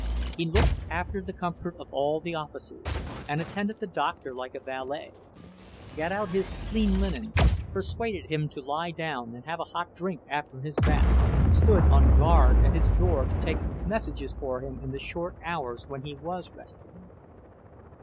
He looked after the comfort of all the officers, and attended the doctor like a valet; got out his clean linen, persuaded him to lie down and have a hot drink after his bath, stood on guard at his door to take messages for him in the short hours when he was resting.